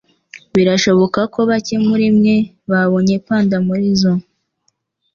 Birashoboka ko bake muri mwe babonye panda muri zoo. (eastasiastudent)